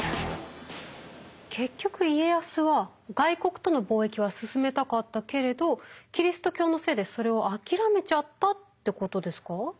結局家康は外国との貿易は進めたかったけれどキリスト教のせいでそれを諦めちゃったってことですか？